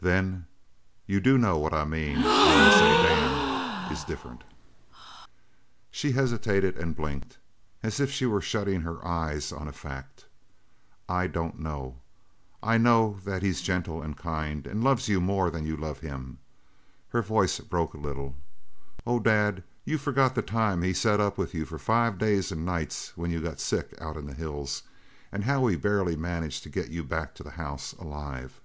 "Then you do know what I mean when I say Dan is different?" She hesitated and blinked, as if she were shutting her eyes on a fact. "I don't know. I know that he's gentle and kind and loves you more than you love him." Her voice broke a little. "Oh, Dad, you forget the time he sat up with you for five days and nights when you got sick out in the hills, and how he barely managed to get you back to the house alive!"